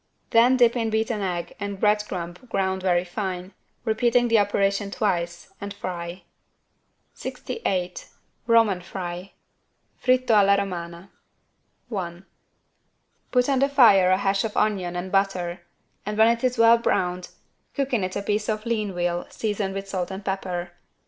Then dip in beaten egg and bread crumb ground very fine, repeating the operation twice, and fry. 68 ROMAN FRY (Fritto alla Romana) I. Put on the fire a hash of onion and butter and when it is well browned cook in it a piece of lean veal seasoned with salt and pepper.